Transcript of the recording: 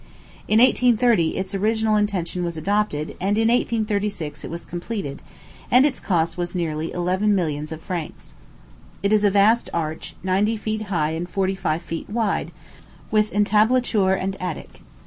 In 1830 its original intention was adopted, and in 1836 it was completed, and its cost was nearly eleven millions of francs. It is a vast arch, ninety feet high and forty five feet wide, with entablature and attic.